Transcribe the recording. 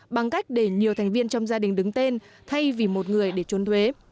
bằng cách để nhiều thành viên trong gia đình đứng tên thay vì một người để trốn thuế